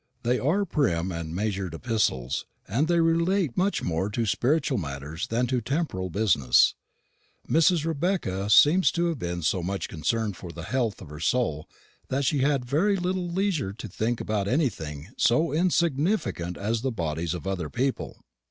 They are prim and measured epistles, and they relate much more to spiritual matters than to temporal business. Mrs. Rebecca seems to have been so much concerned for the health of her soul that she had very little leisure to think of anything so insignificant as the bodies of other people.